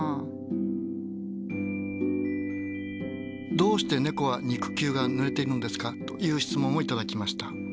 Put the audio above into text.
「どうしてねこは肉球がぬれているのですか？」という質問を頂きました。